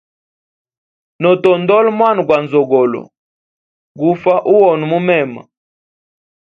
Notondola mwana gwa nzogolo gufa uhona mumema.